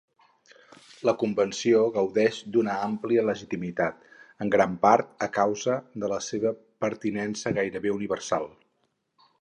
La convenció gaudeix d'una àmplia legitimitat, en gran part a causa de la seva pertinença gairebé universal.